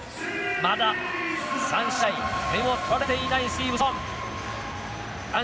まだ３試合点を取られていないスティーブソン。